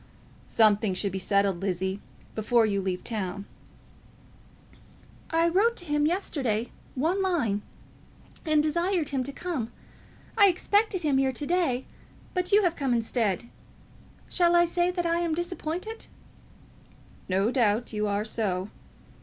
"Something should be settled, Lizzie, before you leave town." "I wrote to him, yesterday, one line, and desired him to come. I expected him here to day, but you have come instead. Shall I say that I am disappointed?" "No doubt you are so."